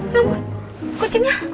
ya ampun kucingnya